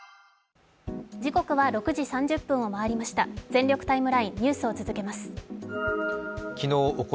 「全力タイムライン」、ニュースを続けます。